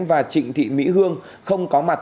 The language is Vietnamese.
và trịnh thị mỹ hương không có mặt